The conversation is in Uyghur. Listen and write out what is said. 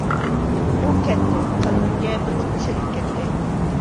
ئۇ كەتتى، قەلبىمگە بىر ئوتنى سېلىپ كەتتى.